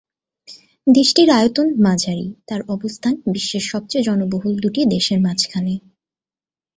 দেশটির আয়তন মাঝারি, তার অবস্থান বিশ্বের সবচেয়ে জনবহুল দুটি দেশের মাঝখানে।